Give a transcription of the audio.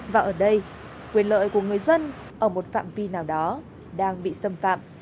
và ở đây quyền lợi của người dân ở một phạm vi nào đó đang bị xâm phạm